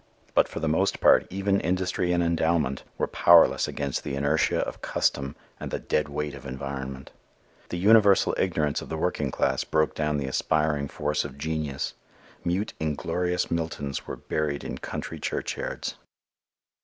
But for the most part even industry and endowment were powerless against the inertia of custom and the dead weight of environment. The universal ignorance of the working class broke down the aspiring force of genius. Mute inglorious Miltons were buried in country churchyards.